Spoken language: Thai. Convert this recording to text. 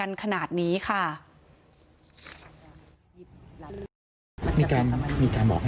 พนักงานในร้าน